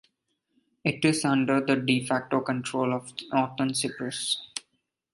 It is under the "de facto" control of Northern Cyprus.